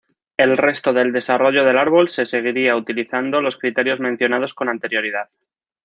El resto del desarrollo del árbol se seguiría utilizando los criterios mencionados con anterioridad.